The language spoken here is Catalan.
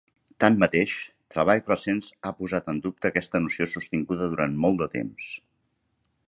Tanmateix, treballs recents ha posat en dubte aquesta noció sostinguda durant molt de temps.